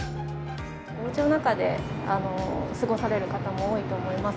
おうちの中で過ごされる方も多いと思います。